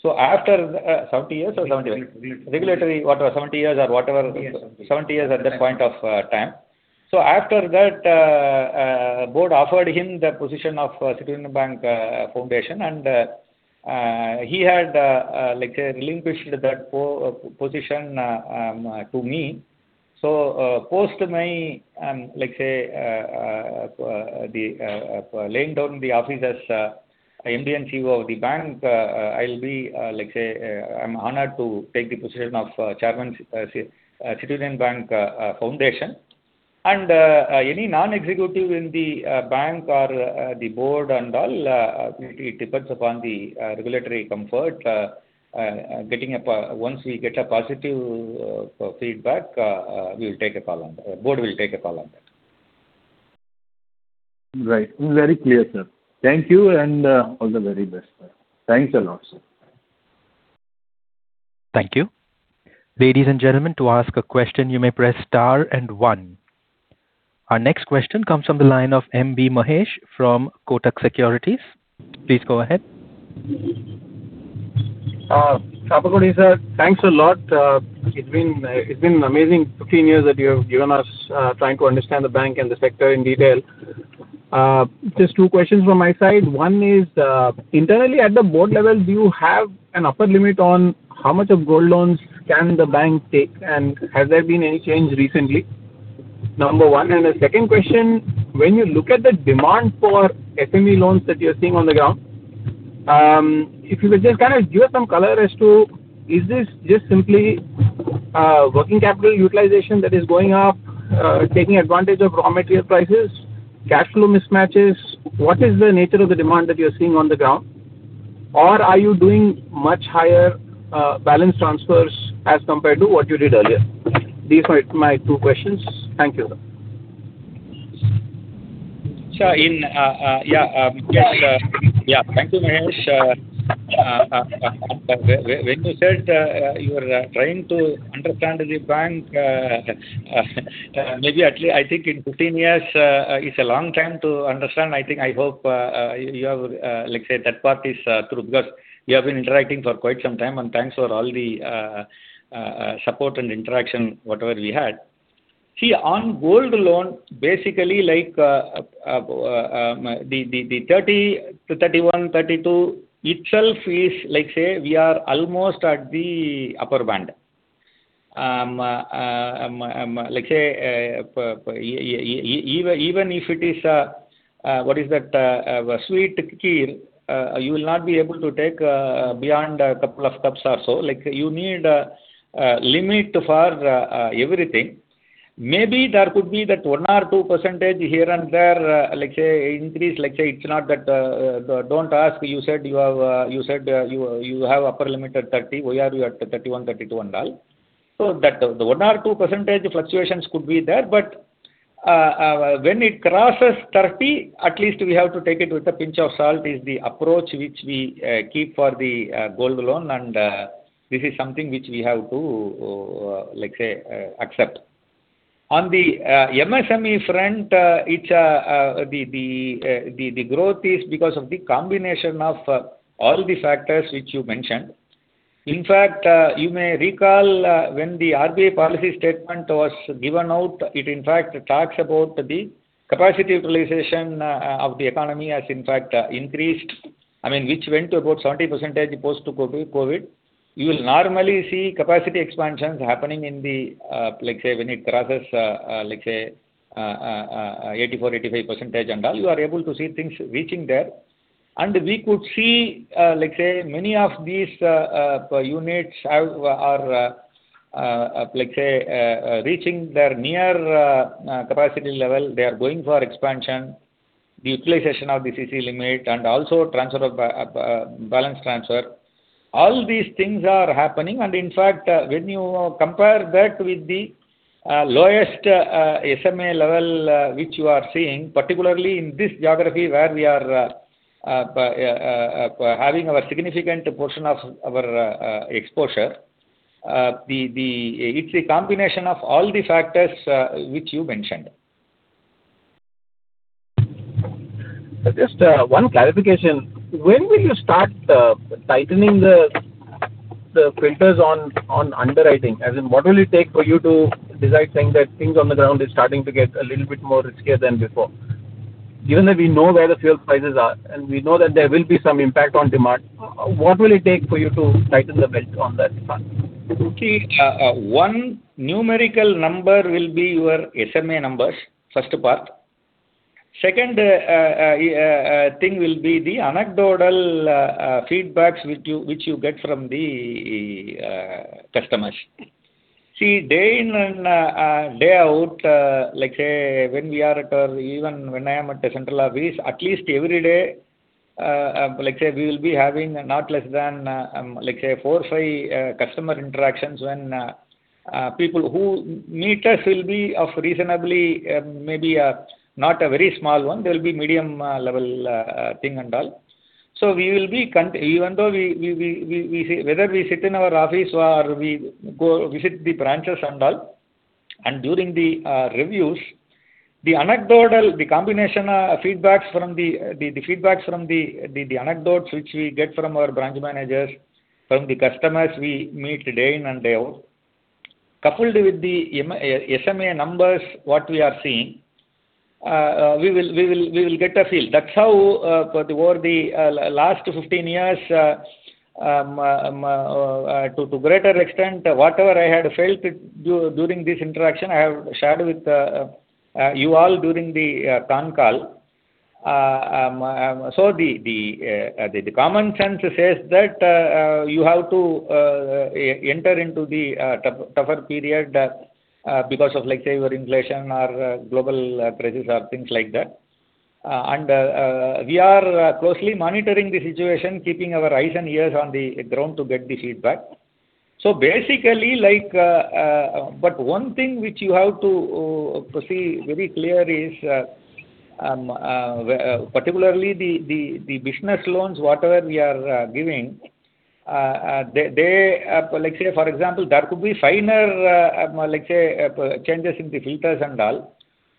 After 70 years or 70. Regulatory, whatever, 70 years or whatever. Yes, 70. 70 years at that point of time. After that, Board offered him the position of City Union Bank Foundation, and he had relinquished that position to me. Post my, let's say, the laying down the office as MD and CEO of the bank, I'll be, like, say, I'm honored to take the position of Chairman, City Union Bank Foundation. Any non-executive in the bank or the Board and all, it depends upon the regulatory comfort. Once we get a positive feedback, we will take a call on that. Board will take a call on that. Right. Very clear, sir. Thank you, and all the very best. Thanks a lot, sir. Thank you. Ladies and gentlemen, to ask a question, you may press star and one. Our next question comes from the line of M.B. Mahesh from Kotak Securities. Please go ahead. Good morning, sir. Thanks a lot. It's been an amazing 15 years that you have given us, trying to understand the bank and the sector in detail. Just two questions from my side. One is, internally at the Board level, do you have an upper limit on how much of gold loans can the bank take, and has there been any change recently? Number one. The second question, when you look at the demand for SME loans that you're seeing on the ground, if you could just kind of give some color as to, is this just simply working capital utilization that is going up, taking advantage of raw material prices, cash flow mismatches? What is the nature of the demand that you're seeing on the ground? Are you doing much higher, balance transfers as compared to what you did earlier? These are my two questions. Thank you. Sure. Thank you, Mahesh. When you said you are trying to understand the bank, maybe I think in 15 years is a long time to understand. I think I hope you have, let's say that part is true because we have been interacting for quite some time, and thanks for all the support and interaction whatever we had. See, on gold loan, basically like, the 30%, 31%, 32% itself is like, say, we are almost at the upper band. Even if it is, you will not be able to take beyond a couple of steps also. Like, you need a limit for everything. Maybe there could be that 1 or 2 percentage here and there, let's say increase. Let's say it's not that, don't ask. You said you have upper limit at 30%. Why are you at 31%, 32% and all? That the 1 or 2 percentage fluctuations could be there, but when it crosses 30%, at least we have to take it with a pinch of salt is the approach which we keep for the gold loan, and this is something which we have to, like, say, accept. On the MSME front, it's the growth is because of the combination of all the factors which you mentioned. In fact, you may recall, when the RBI policy statement was given out, it in fact talks about the capacity utilization of the economy has in fact increased. I mean, which went to about 70% post-COVID. You will normally see capacity expansions happening in the like say when it crosses let's say 84%-85% and all you are able to see things reaching there. We could see let's say many of these units are like say reaching their near capacity level. They are going for expansion, the utilization of the CC limit and also transfer of balance transfer. All these things are happening. In fact when you compare that with the lowest SMA level which you are seeing particularly in this geography where we are having a significant portion of our exposure. It's a combination of all the factors which you mentioned. Just, one clarification. When will you start tightening the filters on underwriting? As in what will it take for you to decide saying that things on the ground is starting to get a little bit more riskier than before? Given that we know where the fuel prices are, and we know that there will be some impact on demand, what will it take for you to tighten the belt on that front? Okay. One numerical number will be your SMA numbers, first part. Second thing will be the anecdotal feedbacks which you get from the customers. See, day in and day out, like, say, even when I am at the central office, at least every day, like, say, we will be having not less than, like, say, four or five customer interactions when people who meet us will be of reasonably, maybe, not a very small one. They will be medium level thing and all. Even though we whether we sit in our office or we go visit the branches and all, and during the reviews, the anecdotal combination of feedbacks from the anecdotes which we get from our branch managers, from the customers we meet day in and day out, coupled with the SMA numbers what we are seeing, we will get a feel. That's how over the last 15 years, to greater extent, whatever I had felt during this interaction, I have shared with you all during the con call. The common sense says that you have to enter into the tougher period because of, like, say, your inflation or global prices or things like that. We are closely monitoring the situation, keeping our eyes and ears on the ground to get the feedback. Basically, like, but one thing which you have to proceed very clear is particularly the business loans, whatever we are giving, they like say for example, there could be finer like say changes in the filters and all.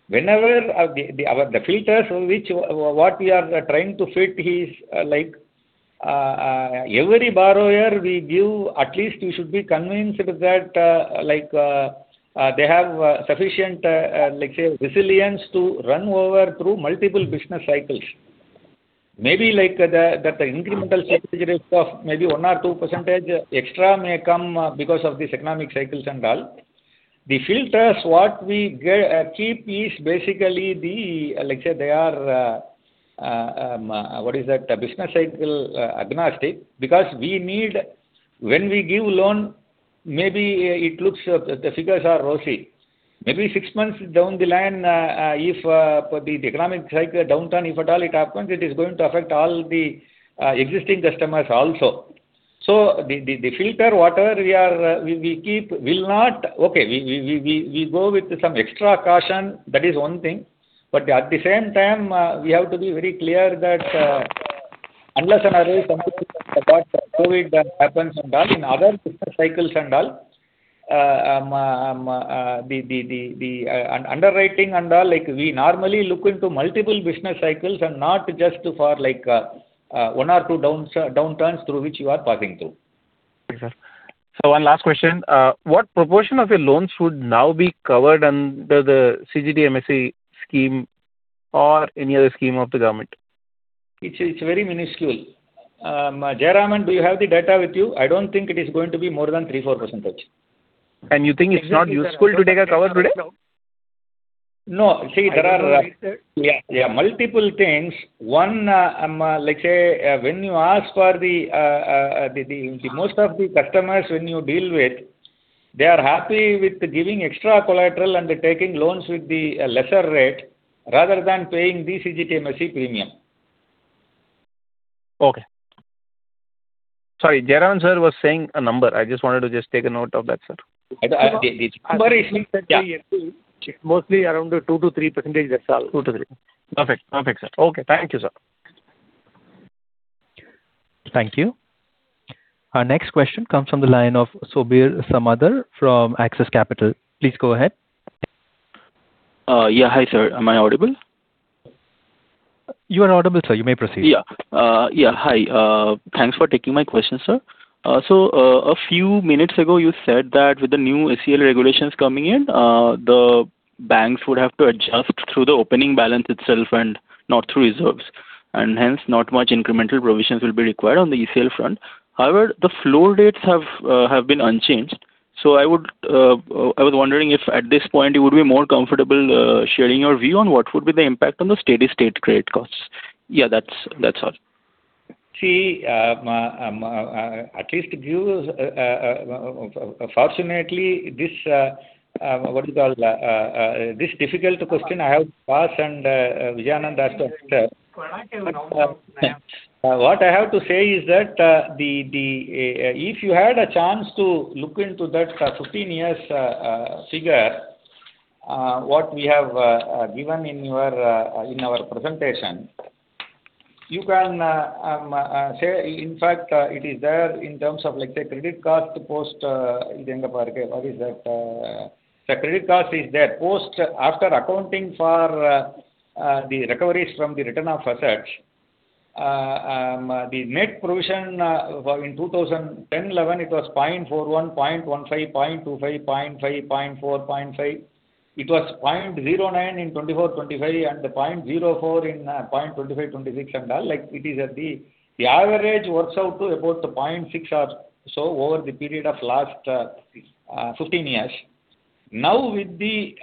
Whenever the filters which we are trying to fit is like every borrower we give, at least you should be convinced that like they have sufficient like say resilience to run through multiple business cycles. Maybe like the incremental cycles risk of maybe 1 or 2 percentage extra may come because of these economic cycles and all. The filters what we keep is basically the like say they are business cycle agnostic, because we need. When we give loan, maybe it looks the figures are rosy. Maybe six months down the line, if the economic cycle downturn, if at all it happens, it is going to affect all the existing customers also. The filter whatever we are we go with some extra caution, that is one thing. At the same time, we have to be very clear that unless and until something like what COVID happens and all, in other business cycles and all, the underwriting and all, like, we normally look into multiple business cycles and not just for like, one or two downturns through which you are passing through. Okay, sir. One last question. What proportion of your loans would now be covered under the CGTMSE scheme or any other scheme of the government? It's very minuscule. Jayaraman, do you have the data with you? I don't think it is going to be more than 3%-4%. You think it's not useful to take a cover today? No. See, there are. I don't think so. Yeah, multiple things. One, like say, when you ask for the most of the customers when you deal with, they are happy with giving extra collateral and taking loans with the lesser rate rather than paying the CGTMSE premium. Okay. Sorry, Jayaraman sir was saying a number. I just wanted to take a note of that, sir. Uh, the- Very small percentage. Yeah. Mostly around 2%-3%, that's all. 2%-3%. Perfect. Perfect, sir. Okay. Thank you, sir. Thank you. Our next question comes from the line of Soubir Samadder from Axis Capital. Please go ahead. Yeah. Hi, sir. Am I audible? You are audible, sir. You may proceed. Hi. Thanks for taking my question, sir. A few minutes ago, you said that with the new ECL regulations coming in, the banks would have to adjust through the opening balance itself and not through reserves, and hence not much incremental provisions will be required on the ECL front. However, the floor rates have been unchanged. I was wondering if at this point you would be more comfortable sharing your view on what would be the impact on the steady-state credit costs. That's all. See, fortunately this difficult question I have to pass and Vijay Anandh has to answer. What I have to say is that if you had a chance to look into that 15-year figure what we have given in our presentation, you can say. In fact, it is there in terms of like, say, credit cost post, what is that. The credit cost is there. Post after accounting for the recoveries from the return of assets, the net provision in 2010, 2011, it was 0.41%, 0.15%, 0.25%, 0.5%, 0.4%, 0.5%. It was 0.09% in 2024-2025, and 0.04% in 2025-2026 and all. Like, it is at the average that works out to about 0.6% or so over the period of last 15 years. Now with the,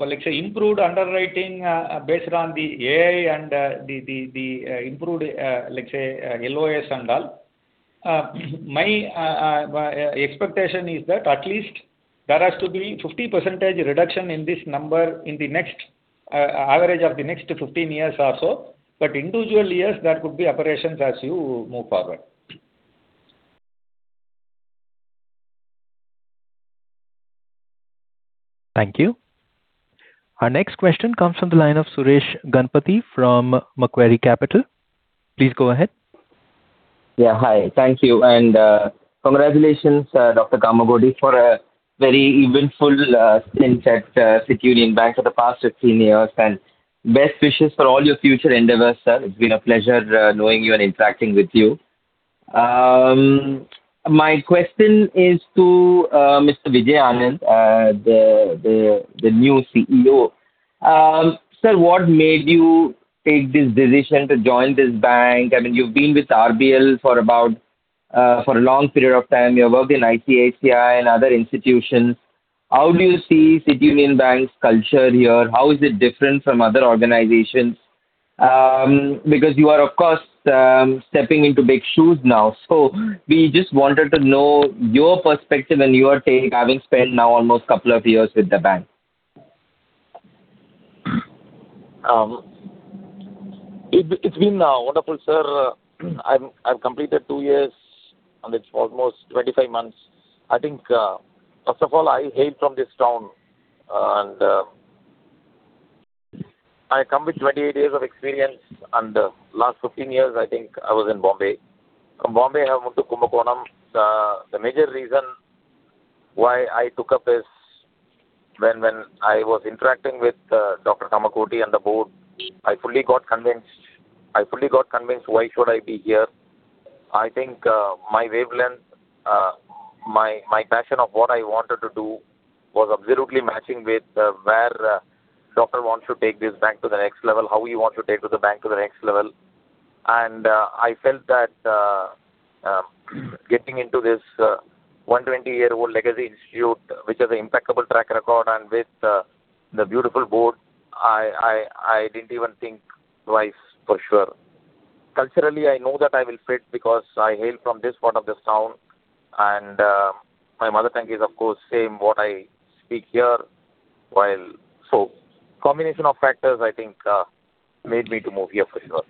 let's say improved underwriting, based on the AI and the improved, let's say, LOS and all, my expectation is that at least there has to be 50% reduction in this number in the next average of the next 15 years or so. But individual years, there could be aberrations as you move forward. Thank you. Our next question comes from the line of Suresh Ganapathy from Macquarie Capital. Please go ahead. Yeah, hi. Thank you. Congratulations, Dr. Kamakodi, for a very eventful stint at City Union Bank for the past 15 years, and best wishes for all your future endeavors, sir. It's been a pleasure knowing you and interacting with you. My question is to Mr. Vijay Anandh, the new CEO. Sir, what made you take this decision to join this bank? I mean, you've been with RBL for about a long period of time. You have worked in ICICI and other institutions. How do you see City Union Bank's culture here? How is it different from other organizations? Because you are, of course, stepping into big shoes now. We just wanted to know your perspective and your take, having spent now almost couple of years with the bank. It's been wonderful, sir. I've completed two years and it's almost 25 months. I think first of all, I hail from this town, and I come with 20 years of experience, and last 15 years I think I was in Bombay. From Bombay I moved to Kumbakonam. The major reason why I took up is when I was interacting with Dr. Kamakodi and the Board, I fully got convinced why should I be here. I think my wavelength, my passion of what I wanted to do was absolutely matching with where doctor wants to take this bank to the next level, how he want to take to the bank to the next level. I felt that getting into this 120-year-old legacy institute, which has an impeccable track record, and with the beautiful board, I didn't even think twice, for sure. Culturally, I know that I will fit because I hail from this part of the town and my mother tongue is, of course, same what I speak here. Combination of factors, I think, made me to move here for sure.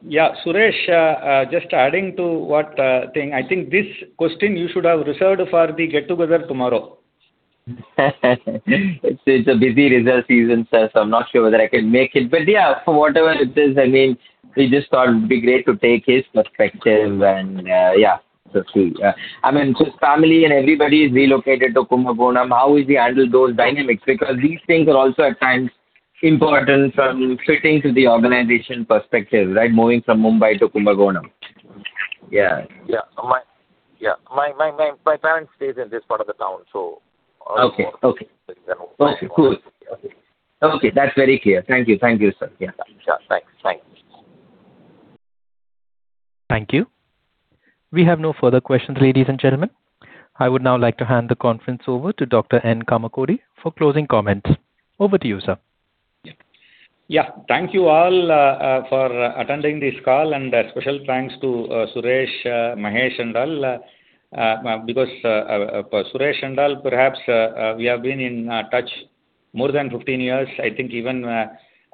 Yeah. Suresh, just adding to what, thing. I think this question you should have reserved for the get-together tomorrow. It's a busy result season, sir, so I'm not sure whether I can make it. Yeah, for whatever it is, I mean, we just thought it'd be great to take his perspective and, yeah. True, yeah. I mean, his family and everybody is relocated to Kumbakonam. How is he handle those dynamics? Because these things are also at times important from fitting into the organization's perspective, right? Moving from Mumbai to Kumbakonam. Yeah. My parents stays in this part of the town, so. Okay. Okay. You know. Okay, cool. That's very clear. Thank you, sir. Yeah. Yeah. Thanks. Thank you. We have no further questions, ladies and gentlemen. I would now like to hand the conference over to Dr. N. Kamakodi for closing comments. Over to you, sir. Yeah. Thank you all for attending this call, and special thanks to Suresh, Mahesh and all, because Suresh and all, perhaps, we have been in touch more than 15 years. I think even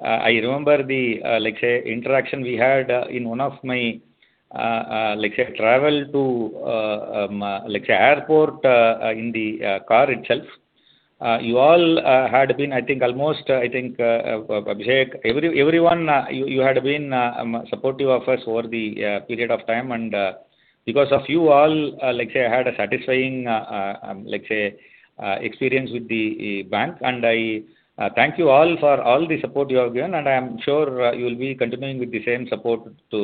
I remember the, let's say, interaction we had in one of my, let's say, travel to, let's say, airport in the car itself. You all had been, I think, almost, I think, Abhishek, everyone, you had been supportive of us over the period of time and, because of you all, let's say, I had a satisfying, let's say, experience with the bank. I thank you all for all the support you have given, and I am sure you will be continuing with the same support to,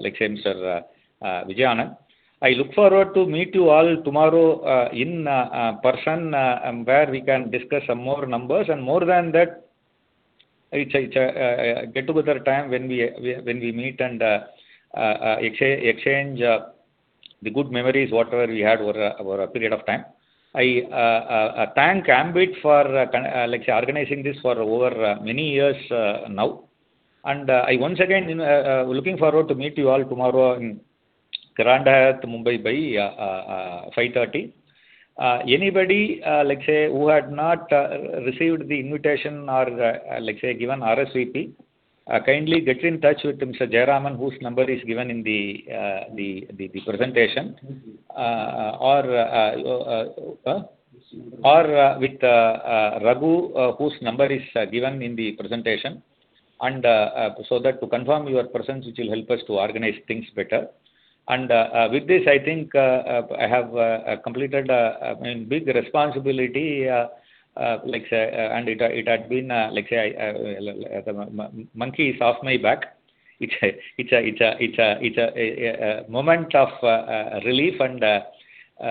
let's say Mr. R. Vijay Anandh. I look forward to meet you all tomorrow in person, where we can discuss some more numbers. More than that, it's a get together time when we meet and exchange the good memories whatever we had over a period of time. I thank Ambit for let's say organizing this for over many years now. I once again looking forward to meet you all tomorrow in Grand Hyatt Mumbai by 5:30 P.M. Anybody, let's say who had not received the invitation or, let's say given RSVP, kindly get in touch with Mr. Jayaraman, whose number is given in the presentation. Or with Raghu, whose number is given in the presentation, and so that to confirm your presence, which will help us to organize things better. With this, I think I have completed big responsibility, let's say, and it had been, let's say, monkey is off my back. It's a moment of relief and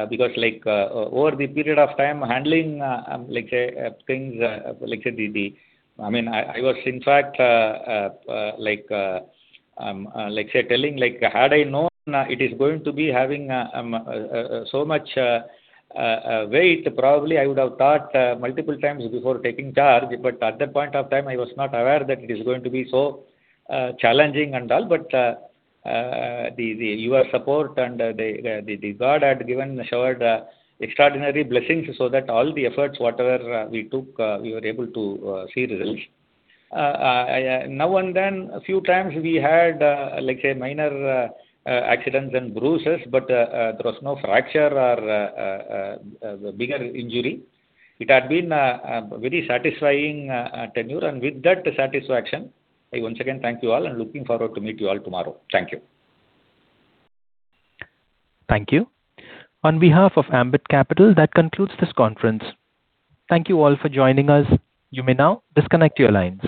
because like over the period of time handling let's say things. I mean, I was in fact like let's say telling like had I known it is going to be having so much weight, probably I would have thought multiple times before taking charge. At that point of time, I was not aware that it is going to be so challenging and all. Your support and the God had given showered extraordinary blessings so that all the efforts whatever we took, we were able to see results. Now and then, a few times we had, let's say minor accidents and bruises, but there was no fracture or bigger injury. It had been very satisfying tenure. With that satisfaction, I once again thank you all and looking forward to meet you all tomorrow. Thank you. Thank you. On behalf of Ambit Capital, that concludes this conference. Thank you all for joining us. You may now disconnect your lines.